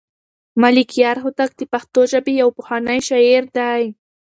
ملکیار هوتک د پښتو ژبې یو پخوانی شاعر دی.